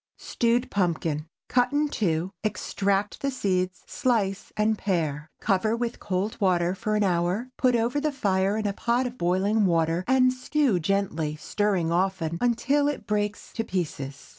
STEWED PUMPKIN. Cut in two, extract the seeds, slice, and pare. Cover with cold water for an hour; put over the fire in a pot of boiling water and stew gently, stirring often, until it breaks to pieces.